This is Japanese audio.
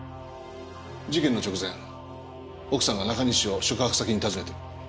事件の直前奥さんが中西を宿泊先に訪ねてる。